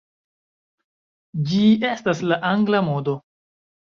Ĝi estas la Angla modo.